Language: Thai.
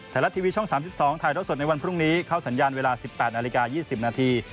ไทยรัฐทีวีช่อง๓๒ถ่ายเท่าสดในวันพรุ่งนี้เข้าสัญญาณเวลา๑๘นาฬิกา๒๐นาที